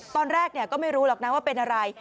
ตอนแรกก็ไม่รู้หรอกนะว่าเป็นอะไร